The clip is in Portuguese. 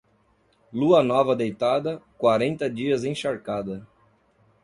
Lua nova deitada, quarenta dias encharcada.